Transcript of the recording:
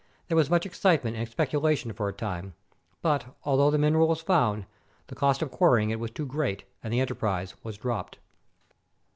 There was much excitement and speculation for a time ; but, although the mineral was found, the cost of quar rying it was too great, and the enterprise was dropped.